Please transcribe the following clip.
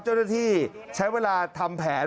เจ้าหน้าที่ใช้เวลาทำแผน